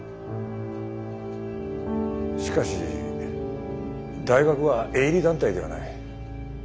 しかし大学は営利団体ではない。